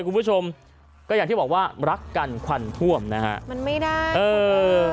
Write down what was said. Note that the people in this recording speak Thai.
คุณผู้ชมก็อย่างที่บอกว่ารักกันควันท่วมนะฮะมันไม่ได้เออ